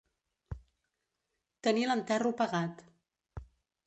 Tenir l'enterro pagat.